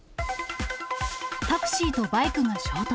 タクシーとバイクが衝突。